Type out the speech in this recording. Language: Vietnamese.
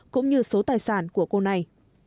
cũng như số tài sản của cô này